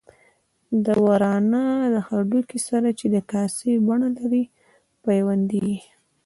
د ورانه د هډوکي سره چې د کاسې بڼه لري پیوندېږي.